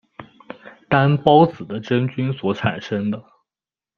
担孢子的真菌所产生的。